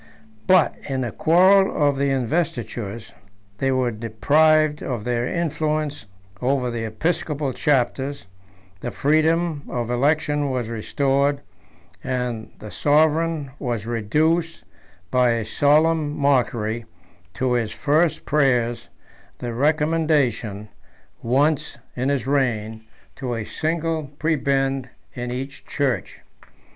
But in the quarrel of the investitures, they were deprived of their influence over the episcopal chapters; the freedom of election was restored, and the sovereign was reduced, by a solemn mockery, to his first prayers, the recommendation, once in his reign, to a single prebend in each church.